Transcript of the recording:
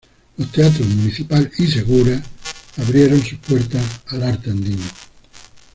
Los teatros Municipal y Segura abrieron sus puertas al arte andino.